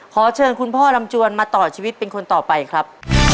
ขอเชิญคุณพ่อลำจวนมาต่อชีวิตเป็นคนต่อไปครับ